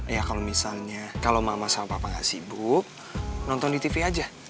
ya kalau misalnya kalau mama sama papa nggak sibuk nonton di tv aja